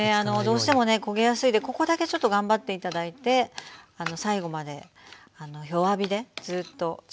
どうしてもね焦げやすいんでここだけちょっと頑張って頂いて最後まで弱火でずっとじっくりやって頂き。